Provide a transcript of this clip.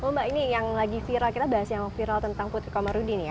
mbak ini yang lagi viral kita bahas yang viral tentang putri komarudin ya